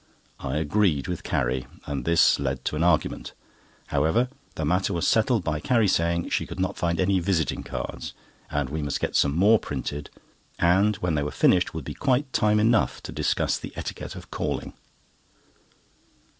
I agreed with Carrie, and this led to an argument. However, the matter was settled by Carrie saying she could not find any visiting cards, and we must get some more printed, and when they were finished would be quite time enough to discuss the etiquette of calling.